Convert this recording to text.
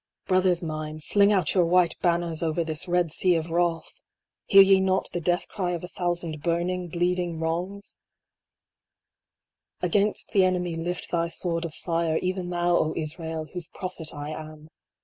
III. Brothers mine, fling out your white banners over this Red Sea of wrath ! Hear ye not the Death cry of a thousand burning, bleeding wrongs ? 84 HEAR, O ISRAELI Against the enemy lift thy sword of fire, even thon, O Israel ! whose prophet I am.